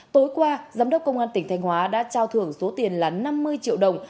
tối qua giám đốc công an tỉnh thanh hóa đã trao thưởng số tiền là năm mươi triệu đồng